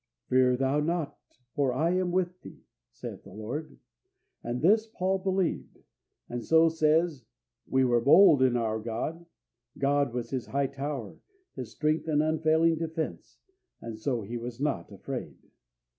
"Fear thou not, for I am with thee," saith the Lord; and this Paul believed, and so says, "We were bold in our God." God was his high tower, his strength and unfailing defence, and so he was not afraid.